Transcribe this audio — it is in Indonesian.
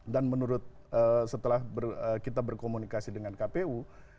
dan menurut setelah kita berkomunikasi dengan kpu